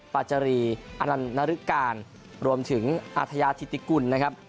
ปาจารีอนันต์นาริการรวมถึงอาทยาธิติกุลนะครับ